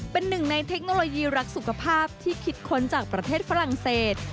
เป็นหนึ่งในเทคโนโลยีรักสุขภาพที่คิดค้นจากประเทศฝรั่งเศส